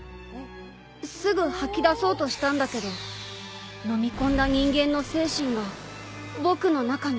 すぐ吐き出そうとしたんだけどのみ込んだ人間の精神が僕の中に流れ込んできて。